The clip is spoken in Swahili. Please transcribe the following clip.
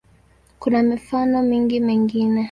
Kuna mifano mingi mingine.